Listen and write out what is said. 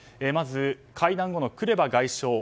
まず、会談後のクレバ外相。